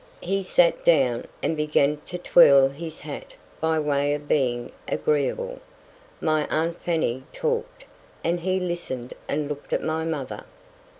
He sat down, and began to twirl his hat by way of being agreeable; my aunt Fanny talked, and he listened and looked at my mother.